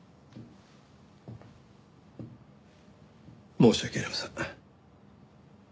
申し訳ありません。